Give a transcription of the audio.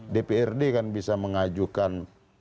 dprd kan bisa mengajukan